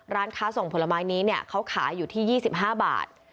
ร้านค้าส่งผลไม้นี้เนี่ยเขาขายอยู่ที่๒๕บาท